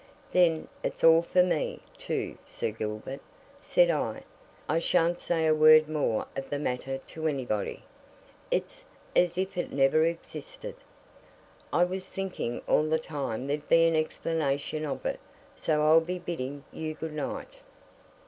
"Then it's all for me, too, Sir Gilbert," said I. "I shan't say a word more of the matter to anybody. It's as if it never existed. I was thinking all the time there'd be an explanation of it. So I'll be bidding you good night."